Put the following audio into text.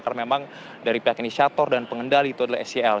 karena memang dari pihak inisiator dan pengendali itu adalah sel